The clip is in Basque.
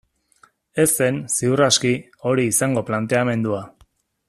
Ez zen, ziur aski, hori izango planteamendua.